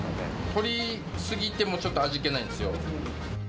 取り過ぎてもちょっと味気ないんですよ。